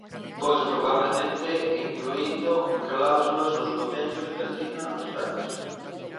Pois, probablemente, incluíndo cláusulas nos convenios que asina o Sergas.